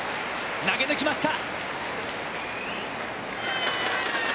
投げ抜きました。